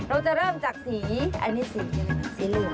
เราจะเริ่มจากสีอันนี้สีอะไรสีหลวง